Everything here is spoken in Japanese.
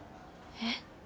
えっ？